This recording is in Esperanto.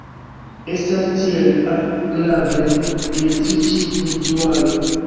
Estas tiel agrable en tiu ĉi buduaro.